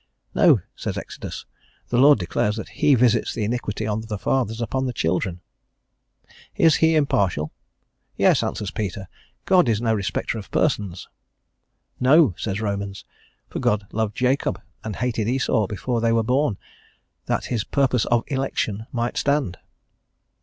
"No," says Exodus. "The Lord declares that He visits the iniquity of the fathers upon the children." Is He impartial? "Yes," answers Peter. "God is no respecter of persons." "No;" says Romans, "for God loved Jacob and hated Esau before they were born, that His purpose of election might stand."